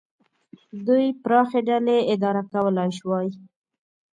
دوی پراخې ډلې اداره کولای شوای.